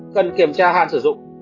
cần kiểm tra hạn sử dụng